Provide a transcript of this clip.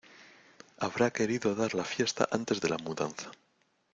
Habrá querido dar la fiesta antes de la mudanza.